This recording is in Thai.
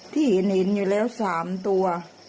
ที่เห็นอยู่แล้ว๓ตัว